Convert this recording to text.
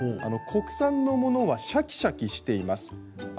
国産のものはシャキシャキしています。